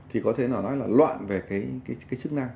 thì có thể nói là loạn về cái chức năng